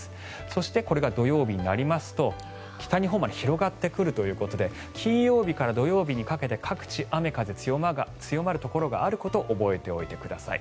そして、これが土曜日になりますと北日本まで広がってくるということで金曜日から土曜日にかけて各地、雨、風強まるところがあることを覚えておいてください。